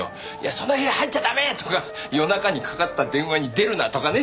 その部屋入っちゃ駄目ー！とか夜中にかかった電話に出るな！とかね。